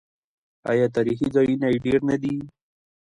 آیا تاریخي ځایونه یې ډیر نه دي؟